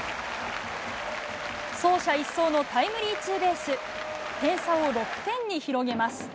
走者一掃のタイムリーツーベース、点差を６点に広げます。